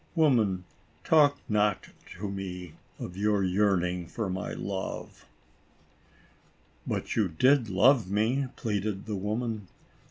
Woman, talk not to me of your yearning for my love." "But you did love me," pleaded the woman.